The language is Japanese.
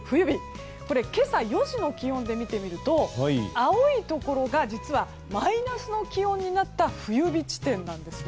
今朝４時の気温で見てみると青いところがマイナスの気温になった冬日地点なんですね。